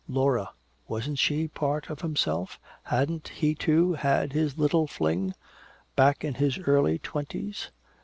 Laura wasn't she part of himself? Hadn't he, too, had his little fling, back in his early twenties?